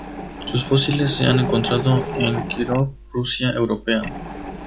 Sus fósiles se han encontrado en Kírov, Rusia europea.